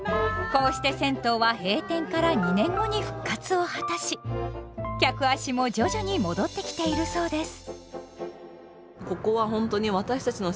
こうして銭湯は閉店から２年後に復活を果たし客足も徐々に戻ってきているそうです。